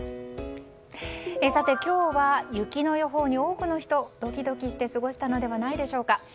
今日は雪の予報に多くの人がドキドキして過ごしたのではないでしょうか。